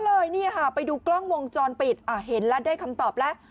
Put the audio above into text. เลยเนี่ยค่ะไปดูกล้องวงจรปิดเห็นแล้วได้คำตอบแล้ว